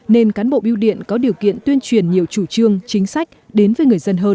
nên cán bộ biêu điện có điều kiện tuyên truyền nhiều chủ trương chính sách đến với người dân hơn